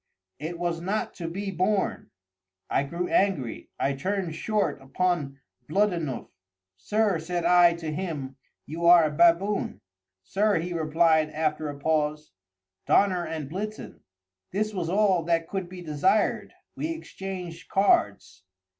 It was not to be borne. I grew angry. I turned short upon Bluddennuff. "Sir!" said I to him, "you are a baboon." "Sir," he replied, after a pause, "Donner und Blitzen!" This was all that could be desired. We exchanged cards.